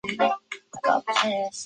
顺天府乡试第六十四名。